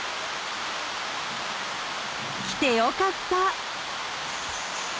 来てよかった！